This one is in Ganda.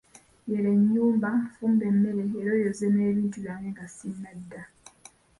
Yere ennyumba, fumba emmere, era oyoze n'ebintu byange nga sinnadda.